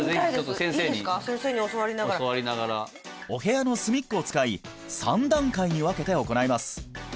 先生に教わりながらお部屋の隅っこを使い３段階に分けて行います